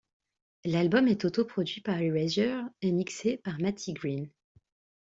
L'album est auto-produit par Erasure et mixé par Matty Green.